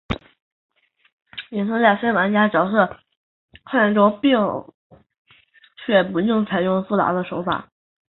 野村在非玩家角色的创建中却并不采用复杂的手法。